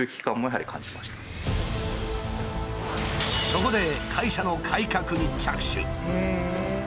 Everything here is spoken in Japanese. そこで会社の改革に着手。